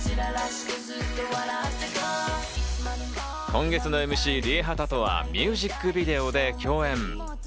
今月のＭＣ、ＲＩＥＨＡＴＡとはミュージックビデオで共演。